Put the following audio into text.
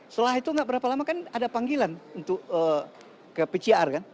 setelah itu nggak berapa lama kan ada panggilan untuk ke pcr kan